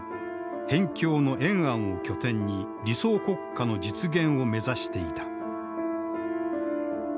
辺境の延安を拠点に理想国家の実現を目指していた。